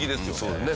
そうだね。